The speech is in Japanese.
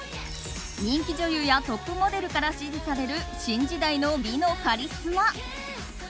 人気女優やトップモデルから支持される新時代の美のカリスマ。